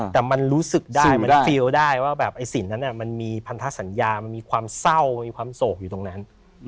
แต่มันรู้สึกได้มันฟิลล์ได้ว่าแบบไอ้สินนั้นมันมีพันธสัญญามันมีความเศร้ามันมีความโศกอยู่ตรงนั้น